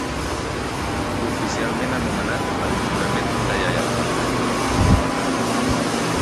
Oficialment anomenat el "Jurament de Lleialtat".